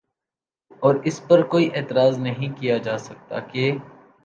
اور اس پر کوئی اعتراض نہیں کیا جا سکتا کہ